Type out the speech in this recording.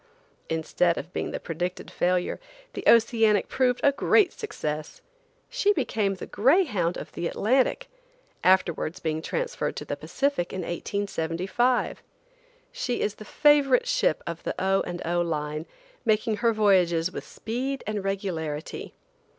Instead of being the predicted failure, the Oceanic proved a great success. She became the greyhound of the Atlantic, afterwards being transferred to the Pacific in 1875. She is the favorite ship of the O. and O. line, making her voyages with speed and regularity.